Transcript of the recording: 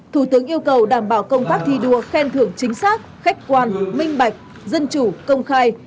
thủ tướng yêu cầu đảm bảo công tác thi đua khen thưởng chính xác khách quan minh bạch dân chủ công khai